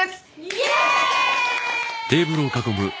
イエーイ！